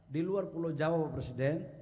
di luar pulau jawa bapak presiden